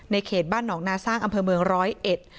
เขตบ้านหนองนาสร้างอำเภอเมืองร้อยเอ็ด